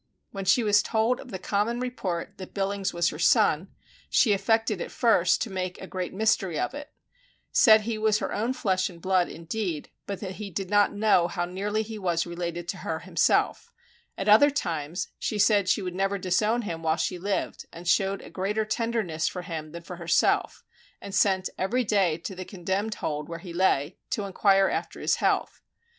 When she was told of the common report that Billings was her son, she affected, at first, to make a great mystery of it; said he was her own flesh and blood, indeed, but that he did not know how nearly he was related to her himself; at other times she said she would never disown him while she lived, and showed a greater tenderness for him than for herself, and sent every day to the condemned hold where he lay, to enquire after his health.